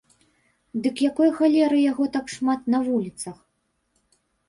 Дык якой халеры яго так шмат на вуліцах?